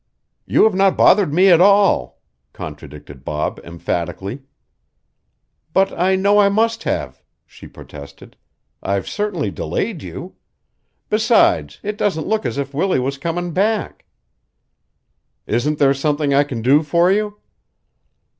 "You have not bothered me at all," contradicted Bob emphatically. "But I know I must have," she protested. "I've certainly delayed you. Besides, it doesn't look as if Willie was coming back." "Isn't there something I can do for you?"